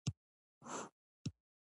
پسه ښایسته څېره لري.